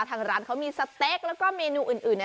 ทางร้านเขามีสแตกและเมนูอื่น